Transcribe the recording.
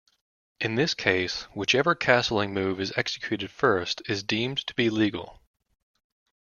In this case, whichever castling move is executed first is deemed to be legal.